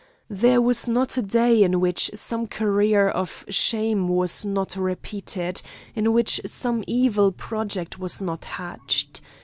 There was not a day in which some career of shame was not repeated, in which some evil project was not hatched.